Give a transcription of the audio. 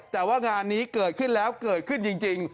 แต่ว่างานนี้เกิดขึ้นแล้วเกิดขึ้นจริง